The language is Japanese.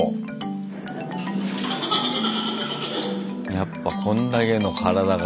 やっぱこんだけの体が。